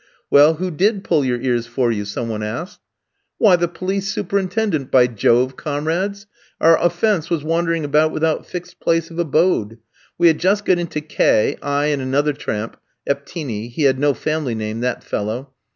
"Well, who did pull your ears for you?" some one asked. "Why, the police superintendent, by Jove, comrades! Our offence was wandering about without fixed place of abode. We had just got into K , I and another tramp, Eptinie; he had no family name, that fellow.